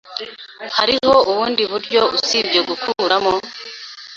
Hariho ubundi buryo usibye gukuramo?